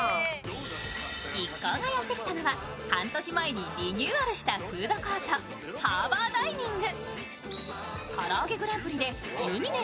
一行がやってきたのは半年前にリニューアルしたフードコート・ハーバーダイニング。